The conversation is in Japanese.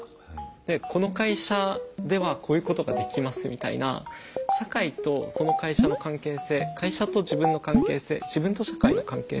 でこの会社ではこういうことができますみたいな社会とその会社の関係性会社と自分の関係性自分と社会の関係性。